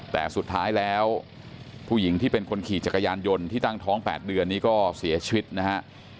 แต่สุดท้ายแล้วผู้หญิงที่เป็นคนขี่จักรยานยนต์ที่ตั้งท้อง๘เดือนนี้ก็เสียชีวิตนะฮะ